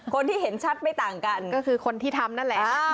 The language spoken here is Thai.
คนที่เห็นชัดไม่ต่างกันก็คือคนที่ทำนั่นแหละ